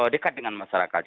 dekat dengan masyarakat